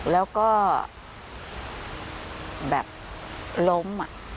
แล้วก็แบบล้ม